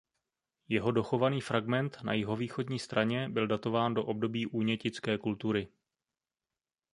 Jeho dochovaný fragment na jihovýchodní straně byl datován do období únětické kultury.